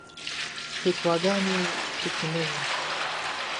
فتواګانې په کې نه وي.